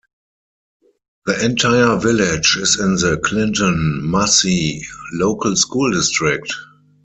The entire village is in the Clinton Massie Local School District.